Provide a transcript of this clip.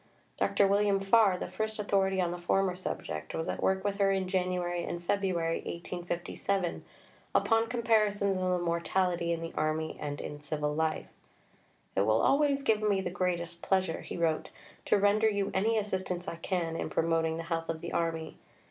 Dr. William Farr, the first authority on the former subject, was at work with her in January and February 1857 upon comparisons of the mortality in the army and in civil life. "It will always give me the greatest pleasure," he wrote, "to render you any assistance I can in promoting the health of the Army.